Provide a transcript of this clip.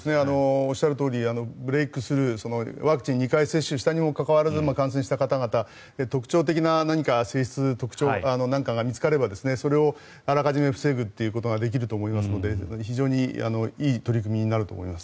おっしゃるとおりブレークスルーワクチン２回接種したにもかかわらず感染した方々特徴的な性質か何かが見つかればそれをあらかじめ防ぐということができると思いますので非常にいい取り組みになると思います。